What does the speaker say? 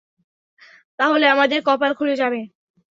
তাহলে আমাদের কপাল খুলে যাবে।